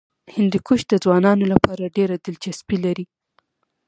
هندوکش د ځوانانو لپاره ډېره دلچسپي لري.